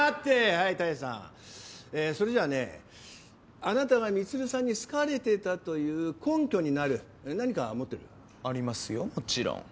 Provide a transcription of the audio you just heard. はい多恵さん。えそれじゃあねあなたが充さんに好かれてたという根拠になるなにか持ってる？ありますよもちろん。